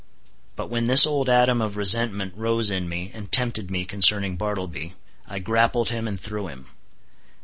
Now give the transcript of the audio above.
But when this old Adam of resentment rose in me and tempted me concerning Bartleby, I grappled him and threw him.